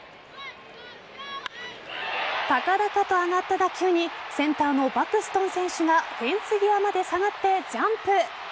高々と上がった打球にセンターのバクストン選手がフェンス際まで下がってジャンプ。